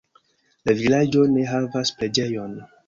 La vilaĝo ne havas preĝejon.